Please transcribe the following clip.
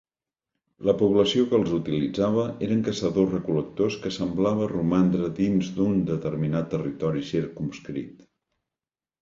La població que els utilitzava eren caçadors-recol·lectors que semblava romandre dins d'un determinat territori circumscrit.